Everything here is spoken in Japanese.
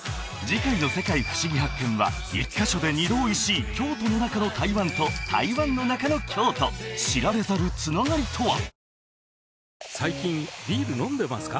次回の「世界ふしぎ発見！」は一カ所で二度おいしい京都の中の台湾と台湾の中の京都知られざるつながりとは！？